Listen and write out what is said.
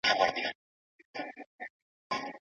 سم خلګ د سمو خلګو سره کښېني .